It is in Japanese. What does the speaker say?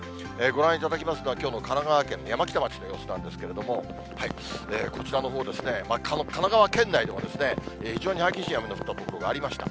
ご覧いただきますのは、きょうの神奈川県の山北町の様子なんですけれども、こちらのほう、神奈川県内でも非常に激しい雨の降った所がありました。